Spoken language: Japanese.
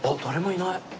いない？